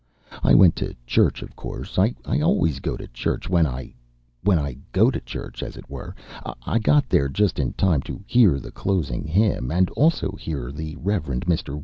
I went to church, of course, I always go to church when I when I go to church as it were. I got there just in time to hear the closing hymn, and also to hear the Rev. Mr.